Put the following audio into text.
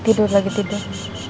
tidur lagi tidur